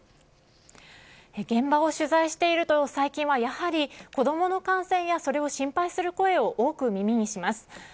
現場を取材していると最近はやはり、子どもの感染やそれを心配する声を多く耳にします。